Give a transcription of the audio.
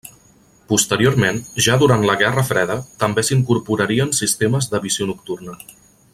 Posteriorment, ja durant la Guerra Freda, també s'hi incorporarien sistemes de visió nocturna.